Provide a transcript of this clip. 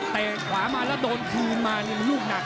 แต่ขวามาแล้วโดนคืนมายูบหนัก